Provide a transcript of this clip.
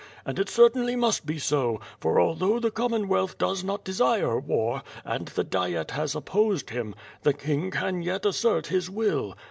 And it certainly must be so, for although the Commonwealth does not desire war, and the Diet has opposed him, the King can yet assert his will.